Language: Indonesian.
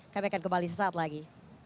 kami akan kembali sesaat lagi